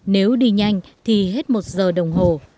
nếu đi nhanh thì hết một giờ đồng hồ